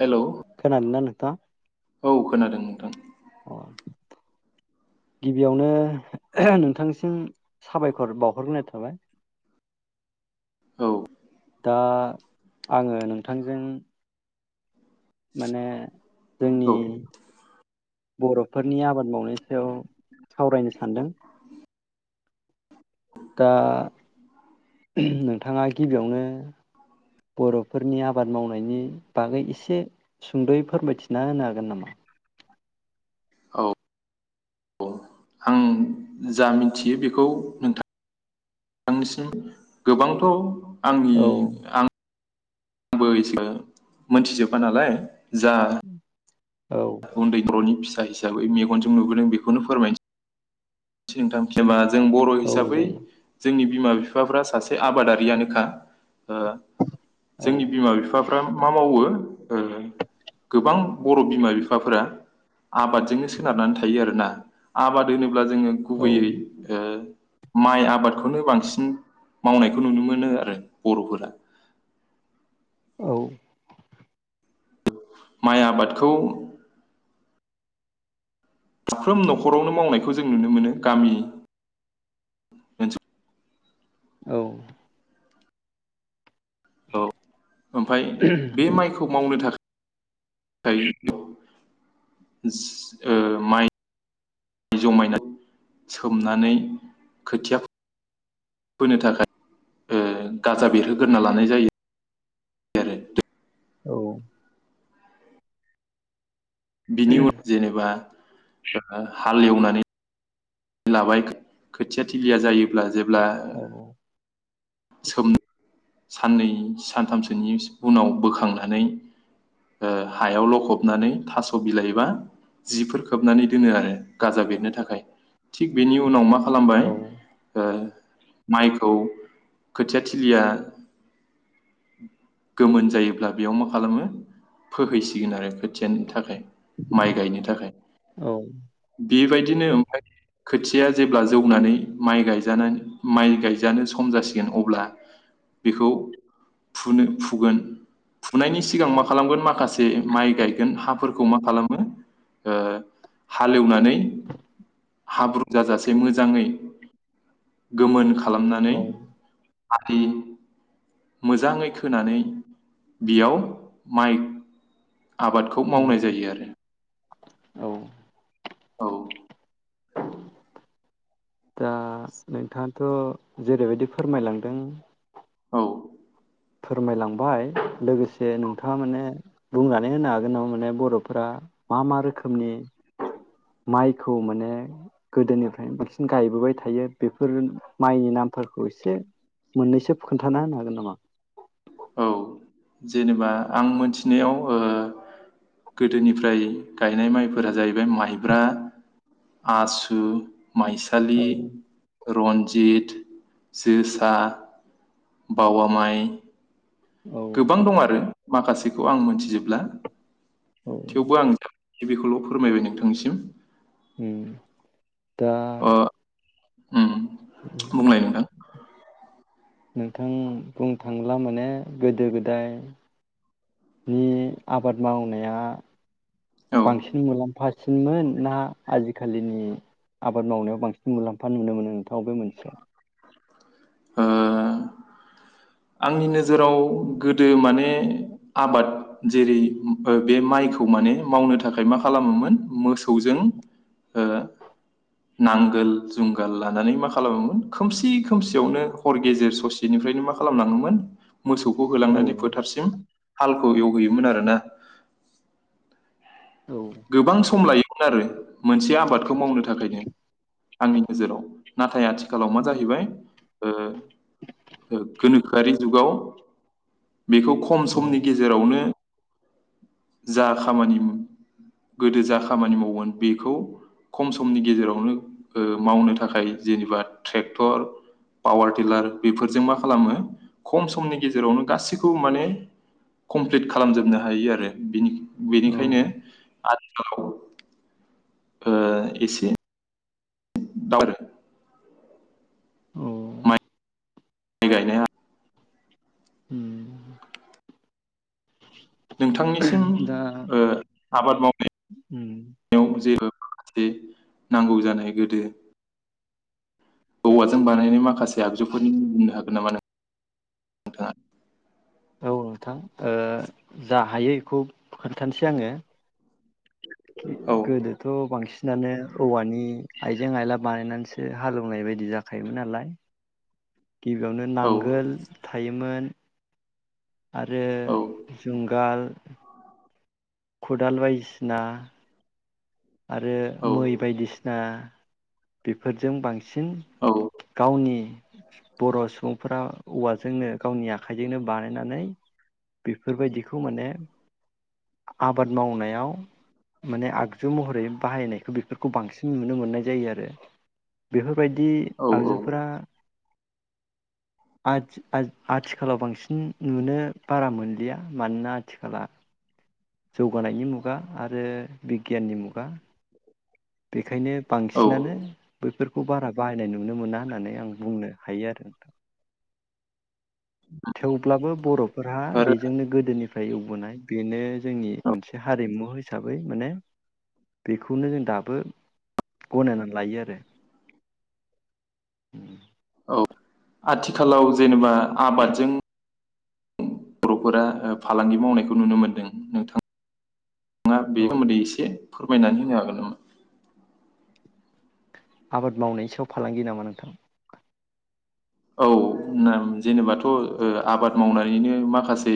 Hello खोनादोंना नोंथां औ खोनादों नोंथां? अ गिबियावनो नोंथांसिम साबायखर बावहरग्रोनाय थाबाय। औ। दा आङो नोंथांजों माने जोंनि औ बरफोरनि आबाद मावनायनि सायाव सावरायनो सानदों। दा नोंथाङा गिबियावनो बरफोरनि आबाद मावनायनि बागै एसे सुंदयै फोरमायथि न होनो हागोन नामा? औ औ आं जा मिथियो बेखौ नोंथां नोंथांनिसिम गोबांथ आंनि औ आं आंबो एसेबां मोनथिजोबा नालाय। जा औ उन्दै [unintelligible] जायखि जाया बै मेगनजों नुबोदों बेखौनो फोरमाय। [unintelligible] जों बर' औ हिसाबै जायो जोंनि बिमा बिफाफ्रा सासे आबादारियानोखा। ओ औ जोंनि बिमा बिफाफ्रा मा मावो? ओ गोबां बर' बिमा बिफाफोरा आबादजोंनो सोनारनानै थायो आरोना आबाद होनोब्ला जोङो औ गुबैयै ओ माइ आबादखौनो बांसिन मावनायखौ नुनो मोनो आरो बर'फोरा। औ। माइ आबादखौ साफ्रोम न'खरावनो मावनायखौ जों नुनो मोनो गामि ओनसो औ। औ ओमफाय बे माइखौ मावनो थाखा थायो ज सोस ओ माइ जमायना सोमनानै खोथिया फो होनो थाखाय ओ गाजा बेरहोग्रोना लानाय जायो। आरो औ। बिनि उनाव जेनेबा जोंहा हाल एवनानै लाबाय खोथिया थिलिया जायोब्ला जे औ। सोम साननै सानथामसोनि उनाव बोखांनानै ओ हायाव लखबनानै थास' बिलाइबा जिफोर खोबनानै दोनो आरो गाजा बेरनो थाखाय थिग बेनि उनाव माख खालामबाय ओ माइखौ खोथिया थिलिया गोमोन जायोब्ला बेयाव मा खालामो फोहैसिगोन आरो खोथियानि थाखाय माइ गायनो थाखाय औ बेबायदिनो ओमफ्राय खोथिया जेब्ला जौनानै माइ गायजानानै माइ गायजानो सम जासिग गोन अब्ला बेखौ फुनो फुगोन फुनायनि सिगां मा खालामगोन माखासे माइ गायगोन हाफोरखो मा खालामो ओ हाल एवनानै हाब्रु जाजासे मोजांङै गोमोन खा खालामनानै औ आदि मोजाङै खोनानै बियाव माइ आबादखौ उम, मावनाय जायो आरो। औ। औ। दा नोंथाङाथ' जेरैबायदि फोरमायलांदों। औ। फोरमायलांबाय लोगोसे नोंथाङा माने बुंनानै होनो हागोन नामा माने बर'फोरा मा मा रोखोमनि माइखौ माने गोदोनिफ्रायनो बांसिन गायबोबाय थायो बे फोर माइनि नामफोरखौ एसे मोननैसो खोन्थाना होनो हागोन नामा? औ जेनेबा आं मोनथिनायाव ओ गोदोनिफ्राय गायनाय माइफोरा जाहैबाय माइब्रा आसु औ माइसालि रन्जित जोसा बावा माइ औ गोबां दं आरो माखासेखौ आं मोनथिजोबब्ला औ थेवबो आं बेखौल' फोरमायबाय नोंथांनिसिम। उम दा अ उम बुंलाय नोंथां? नोंथां बुंनो थाङोब्ला माने गोदो गोदाय नि आबाद मावनाया औ ओ बांसिन मुलाम्फा ज सिनमोन ना आजिखालिनि आबाद मावनायाव बांसिन मुलाम्फा नुनो मोनो नों? थाव बे मोनसे ओ। आंनि नोजोराव गोदो माने आबाद जेरै ओ बे माइखौ माने मावनो थाखाय मा खालामोमोन मोसौजों ओ नांगोल जुंगाल लानानै मा खालामोमोन खोमसि खोमसियावनो हर गेजेर ससेनिफ्रायनो मा खालामलाङोमोन मोसौखौ औ होलांनानै फोथारसिम हालखौ एवहैयोमोन आरो ना। औ गोबां सम लायोमोन आरो मोनसे आबादखौ मावनो थाखायनो आंनि नोजोराव नाथाय आथिखालाव मा जाहैबाय ओ ओ गोनोखोआरि जुगाव बेखौ खम औ समनि गेजेरावनो जा खामानि गोदो जा खामानि मावओमोन बेखौ खम समनि गेजेरावनो ओ मावनो थाखाय जेनेबा ट्रेक्टर पावार टिलार बेफोरजों मा खालामो खम समनि गेजेरावनो गासैखौबो माने कमप्लिट खालामजोबनो हायो आरो बेनि औ बेनिखायनो आ [inaudible] ओ एसे। दाब [inaudible] औ माइ माइ गायनाया उम नोंथांनिसिम दा ओ आबाद उम मावनायाव जेबो बे नांगौ जानाय गोदो औवाजों बानायनाय माखासे आगजुफोरनि मुं बुंनो हागोन [unintelligible] औ नोंथां ओ जा हायो एखौ खोन्थानोसै आङो औ गोदोथ' बांसिनानो औवानि आइजें आइला बानायनानै सो हालौवनाय बायदि जाखायोमोन नालाय गिबियावनो नांगोल थायोमोन औ आरो जुंगाल खदाल बायदिसिना आरो मै औ बायदिसिना बेफोरजों बां सिन औ गावनि बर' सुबुंफोरा औवाजोंनो गावनि आखाइजोंनो बानायनानै बेफोरबायदिखौ माने आबाद मावनायाव माने आग जु महरै बाहायनायखौ बेफोरखौ बांसिन नुनो मोननाय जायो आरो। बेफोरबायदि औ औ आगजुफोरा आथि-आ-आथिखालाव बांसिन नुनो बारा मोनलिया मानोना आथिखला जौगानायनि मुगा आरो गियाननि मुगा। बेखायनो औ बांसिनानो बैफोर खौ बारा बाहायनाय नुनो मोना होननानै आं बुंनो हायो आरो नोंथां। थेवब्लाबो बर'फोरहा आरो बेजोंनो गोदोनि फ्राय एवबोनाय बेनो जोंनि मोनसे हारिमु हिसाबै माने बेखौनो जों दाब बो गनायनानै लायो आरो। औ आथिखालाव जेनेबा आबादजों बर'फोरा फालांगि मावनायखौ नुनो मोनदों नोंथां। नोंथाङा औ बेनि सोमोन्दै एसे फोरमायनानै होनो हागोन नामा? आबाद मावनायनि सायाव फालांगि नामा नोंथां? औ जेनेबाथ' ओ आबाद मावनानैनो माखासे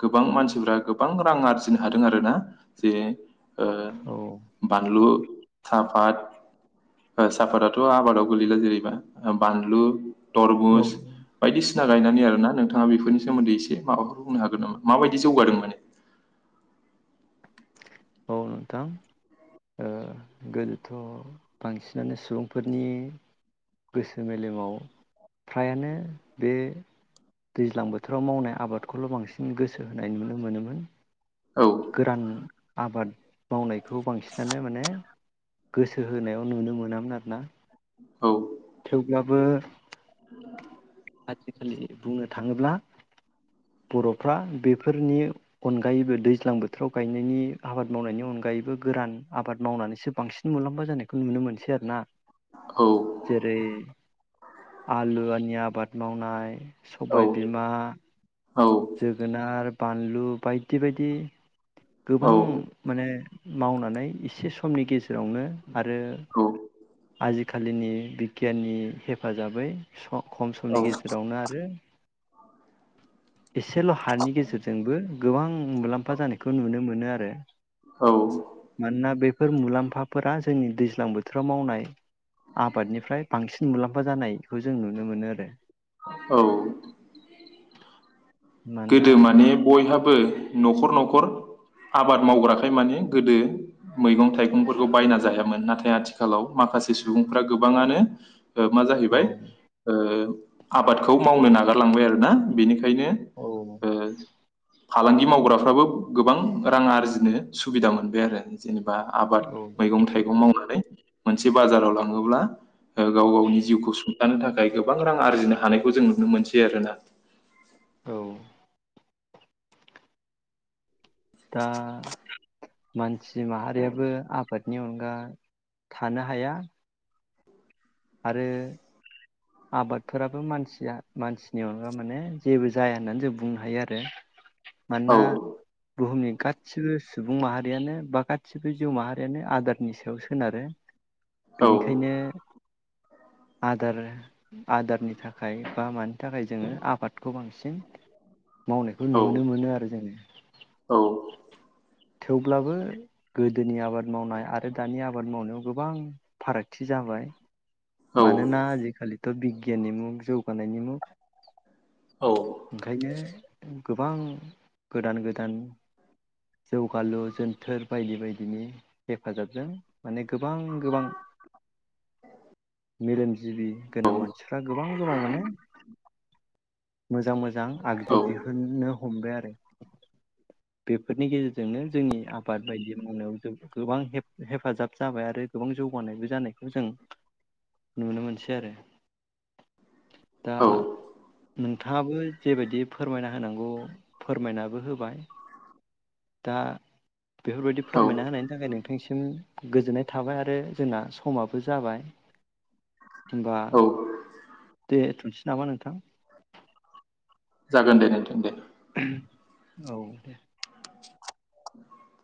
गोबां मानसिफ्रा गोबां रां आरजिनो हादों आरो ना जे ओ औ बानलु साफाद साफादाथ' आबादाव गोलैला जेनेबा बानलु औ तरमुस बायदिसि सिना गायनानै आरोना नोंथाङा बेफोरनि सोमोन्दै एसे माबाफोर बुंनो हागोन नामा माबायदि जौगादों माने? औ नोंथां ओ गोदोथ' बांसिनानो सुबुंफोरनि गोसो मेलेमाव फ्रायानो बे दैज्लां बोथोराव मावनाय आबादखौल' बांसिन गोसो होनाय नुनो मोनोमोन। औ गोरान। आबाद मावनायखौ बांसिनानो माने गोसो होनायाव नुनो मोना मोन आरोना। औ थेवब्लाबो आजिखालि बुंनो थाङोब्ला बर'फ्रा बेफोरनि अनगायैबो दैज्लां बोथोराव गायनायनि आबाद मावनायनि अनगा गायैबो गोरान आबाद मावनानैसो बांसिन मुलाम्फा जानायखौ नुनो मोनसै आरो ना। औ। जेरै आलुआनि आबाद मावनाय औ सबाय बिमा। औ जोगोनार। बानलु बायदि बायदि। औ गोबां औ माने। मावनानै एसे समनि गेजेरावनो आरो आजिखालिनि बिगियाननि हेफाजाबै स खम समनि गेजेरावनो आरो एसेल' हानि गेजेरजोंबो गोबां मुलाम्फा जानायखौ नुनो मोनो आरो। औ। मानोना बेफोर मुलाम्फाफोरा जोंनि दैज्लां बोथोराव मावनाय आबादनिफ्राय बांसिन मुलाम्फा जानाय खौ जों नुनो मोनो आरो। औ औ मानोना गोदो माने बयहाबो न'खर न'खर आबाद मावग्राखाय माने गोदो मैगं थाइगंफोरखौ बायना जाहायामोन नाथाय आथिखालाव माखासे सुबुंफ्रा गोबाङानो मा औ जाहैबाय ओ आबादखौ मावनो नागारलांबाय आरोना बेनिखायनो ओ औ फालांगि मावग्राफ्राबो गोबां रां आरजिनो सुबिदा मोनबाय आरो जेनेबा। बा आबाद औ मैगं थाइगं मावनानै मोनसे बाजाराव लाङोब्ला गाव गावनि जिउखौ सुंथानो थाखाय गोबां रां आरजिनो हानायखौ जों नुनो मोनसै आरोना। औ। दा मानसि माहारियाबो आबादनि अनगा थानो हाया। आरो आबादफोराबो मानसिया मानसिनि अनगा माने जेबो जाया होननानै जों बुंनो हायो आरो। औ मानोना बुहुमनि गासिबो सुबुं माहारियानो बा गासिबो जिउ माहारियानो आदारनि सायाव सोनारो। औ बेनिखायनो आदार आदारनि थाखाय बा मानि थाखाय जोङो आबाद खौ बांसिन मावनायखौ औ नुनो मोनो आरो जोङो। औ थेवब्लाबो गोदोनि आबाद मावनाय आरो दानि आबाद मावनायाव गोबां फारागथि जाबाय। मानोना आजिखालिथ' बिगियाननि मुगा जौगानायनि औ मुगा ओंखायनो गोबां गोदान गोदान जौगालु जोनथोर बायदि बायदिनि हेफाजाबजों माने गोबां गोबां मेलेमजिबि गोनां मानसिफ्रा गोबां गोबां माने मोजां मोजां औ आगजु दिहुननो हमबाय आरो। बेफोरनि गेजेरजोंनो जोंनि आबाद बायदि मावनायाव जों गोबां हेफाजाब जाबाय आरो गोबां जौगानायबो जानायखौ जों नुनो मोनसै आरो। दा औ नोंथाङाबो जेबायदि फोरमायना हो होनांगौ फोरमायनाबो होबाय दा बेफोर बायदि औ फोरमायना होनायनि थाखाय नोंथांसिम गोजोननाय थाबाय आरो जोंना समाबो जाबाय। होनबा औ दे दोथनोसै। नामा नोंथां। जागोन दे। नोंथां दे [inaudible] औ दे।